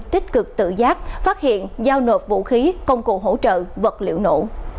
tích cực tự giác phát hiện giao nộp vũ khí công cụ hỗ trợ vật liệu nổ